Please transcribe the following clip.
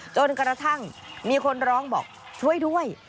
จนกระทั่งมีคนร้องบอกช่วยด้วย